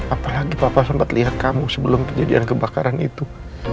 apalagi papa sempat lihat kamu sebelum kejadian kebakaran itu